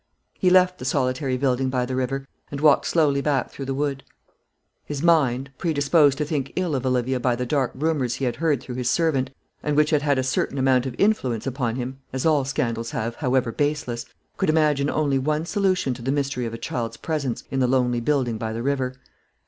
He left the solitary building by the river, and walked slowly back through the wood. His mind predisposed to think ill of Olivia by the dark rumours he had heard through his servant, and which had had a certain amount of influence upon him, as all scandals have, however baseless could imagine only one solution to the mystery of a child's presence in the lonely building by the river.